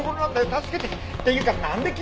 助けて！っていうかなんで君